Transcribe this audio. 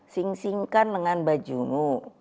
sing singkan dengan bajumu